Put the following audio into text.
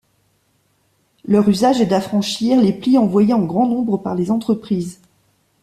Leur usage est d’affranchir les plis envoyés en grand nombre par les entreprises.